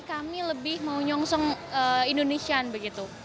kami lebih mau nyongsong indonesian begitu